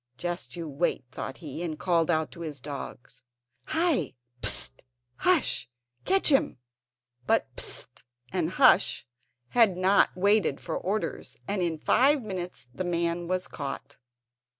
"Just you wait," thought he, and called out to his dogs: "Hi! Psst, Hush, catch him!" But Psst and Hush had not waited for orders, and in five minutes the man was caught.